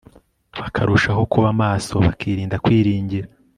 bakarushaho kuba maso bakirinda kwiringira